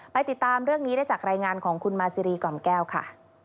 ติดตามเรื่องนี้ได้จากรายงานของคุณมาซีรีกล่อมแก้วค่ะ